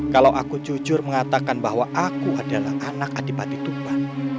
kalau aku jujur mengatakan bahwa aku adalah anak adipati tuban